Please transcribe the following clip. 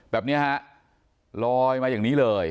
แบบนี้ฮะลอยมาอย่างนี้เลย